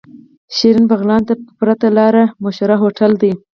شيرين بغلان ته په پرته لاره مشهور هوټل دی.